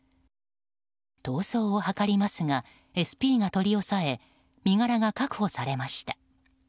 逃走を図りますがＳＰが取り押さえ身柄が確保されました。